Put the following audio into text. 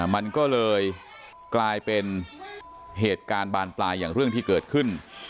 มันก็เลยกลายเป็นเหตุการณ์บานปลายอย่างเรื่องที่เกิดขึ้น